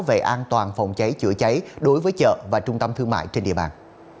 về an toàn phòng cháy chữa cháy đối với chợ và trung tâm thương mại trên địa bàn